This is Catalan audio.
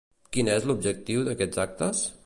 Quin és l'objectiu d'aquests actes?